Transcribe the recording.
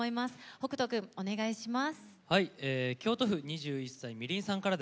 北斗君、お願いします。